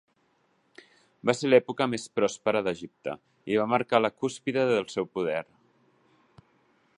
Va ser l'època més pròspera d'Egipte i va marcar la cúspide del seu poder.